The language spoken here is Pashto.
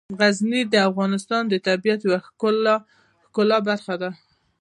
غزني د افغانستان د طبیعت د ښکلا برخه ده.